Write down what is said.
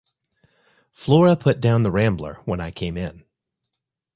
Flora put down the Rambler when I came in.